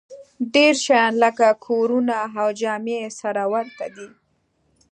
ډېر شیان لکه کورونه او جامې یې سره ورته دي